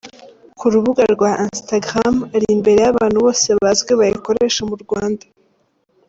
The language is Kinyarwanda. Ku rubuga rwa Instagram ari imbere y’abantu bose bazwi bayikoresha mu Rwanda.